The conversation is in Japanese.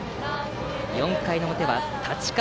４回の表は太刀川。